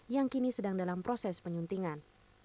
yang kini sedang dalam proses penyuntingan